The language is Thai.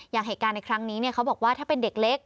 อย่างเหตุการณ์ในครั้งนี้เขาบอกว่าถ้าเป็นเด็กเล็ก